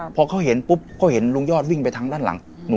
พอเขาเห็นปุ๊บเขาเห็นลุงยอดวิ่งไปทางด้านหลัง